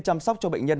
chăm sóc cho bệnh nhân